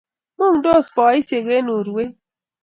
Mungtos boisiek eng urwet